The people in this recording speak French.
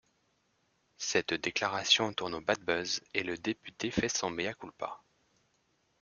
Cette déclaration tourne au badbuzz et le député fait son mea culpa.